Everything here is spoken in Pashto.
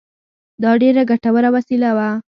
دا ډېره ګټوره وسیله وه.